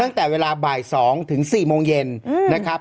ตั้งแต่เวลาบ่าย๒ถึง๔โมงเย็นนะครับ